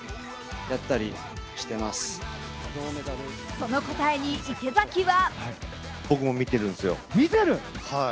その答えに池崎は？